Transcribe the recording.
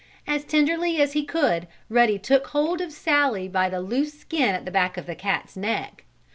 As tenderly as he could Ruddy took hold of Sallie by the loose skin at the back of the cat's neck.